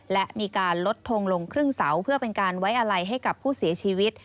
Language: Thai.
และมีการลดทงลงครึ่งเสาเพื่อเป็นการไว้อะไรให้กับผู้เสียชีวิต